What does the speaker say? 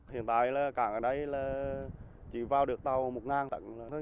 hiện tại là càng ở đây là chỉ vào được tàu một ngàn tấn